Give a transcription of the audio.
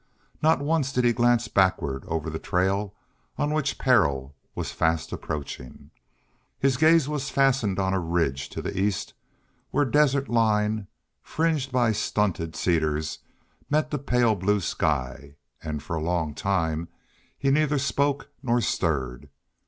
Not once did he glance backward over the trail on which peril was fast approaching. His gaze was fastened on a ridge to the east where desert line, fringed by stunted cedars, met the pale blue sky, and for a long time he neither spoke nor stirred.